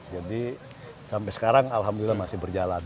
sampai sekarang alhamdulillah masih berjalan